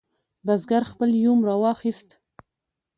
بزګر خپل یوم راواخست.